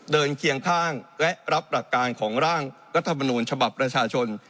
เคียงข้างและรับหลักการของร่างรัฐมนูญฉบับประชาชน